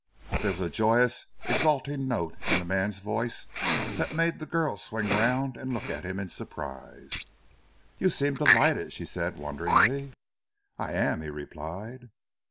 There was a joyous exalting note in the man's voice that made the girl swing round and look at him in surprise. "You seem delighted!" she said wonderingly. "I am," he replied.